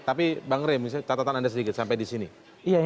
tapi bang rem misalnya catatan anda sedikit sampai di sini